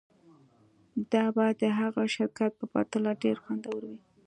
دا به د هغه شرکت په پرتله ډیر خوندور وي